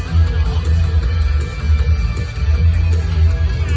มันเป็นเมื่อไหร่แล้ว